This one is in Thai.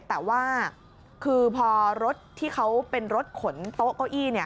แต่ว่าคือพอรถที่เขาเป็นรถขนโต๊ะเก้าอี้